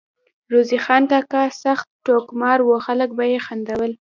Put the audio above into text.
روزې خان کاکا سخت ټوکمار وو ، خلک به ئی خندول